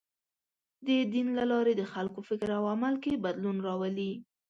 د دین له لارې د خلکو فکر او عمل کې بدلون راولي.